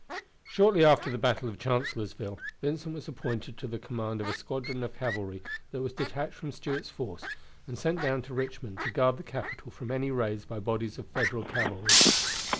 Shortly after the battle of Chancellorsville, Vincent was appointed to the command of a squadron of cavalry that was detached from Stuart's force and sent down to Richmond to guard the capital from any raids by bodies of Federal cavalry.